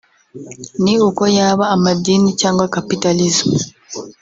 ni uko yaba amadini cyangwa Capitalism